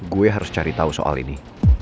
gue harus cari tahu soal ini